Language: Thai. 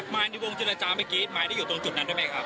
ในวงเจรจาเมื่อกี้ไม้ได้อยู่ตรงจุดนั้นได้ไหมครับ